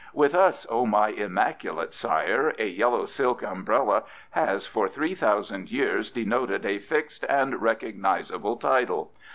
With us, O my immaculate sire, a yellow silk umbrella has for three thousand years denoted a fixed and recognisable title.